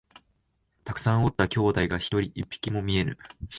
たくさんおった兄弟が一匹も見えぬ